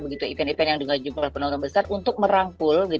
event event yang juga jumlah penonton besar untuk merangkul